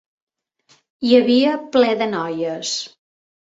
Hi havia pler de noies.